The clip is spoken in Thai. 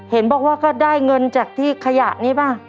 เห็นบอกว่าก็ได้เงินจากที่ขยะนี้ป่ะ